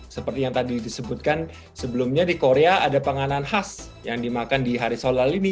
seperti yang tadi disebutkan sebelumnya di korea ada penganan khas yang dimakan di hari sholal ini